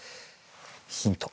ヒント